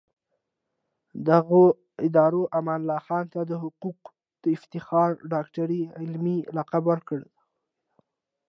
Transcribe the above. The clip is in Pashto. دغو ادارو امان الله خان ته د حقوقو د افتخاري ډاکټرۍ علمي لقب ورکړ.